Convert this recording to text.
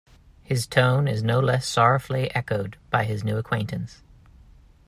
His tone is no less sorrowfully echoed by his new acquaintance.